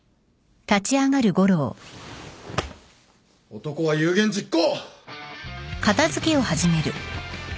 男は有言実行！